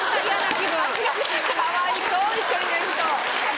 かわいそう一緒に寝る人。